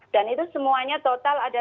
itu semuanya total ada